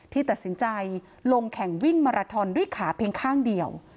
ที่ตัดสินใจลงแข่งวิ่งมาราทอนด้วยขาเพียงข้างเดียว